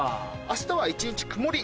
明日は一日曇り。